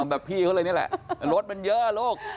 แบบพี่เขาเลยนี่แหละรถมันเยอะลูก